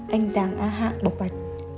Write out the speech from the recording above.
anh giang a hạ bộc vạch